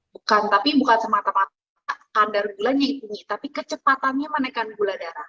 bukan tapi bukan semata mata kadar gulanya tinggi tapi kecepatannya menaikkan gula darah